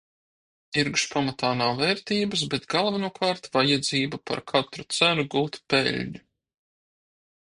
Tirgus pamatā nav vērtības, bet galvenokārt vajadzība par katru cenu gūt peļņu.